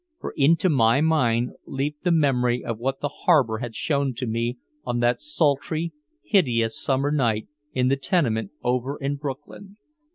For into my mind leaped the memory of what the harbor had shown to me on that sultry hideous summer night in the tenement over in Brooklyn.